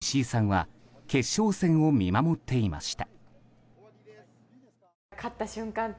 コーチの石井さんは決勝戦を見守っていました。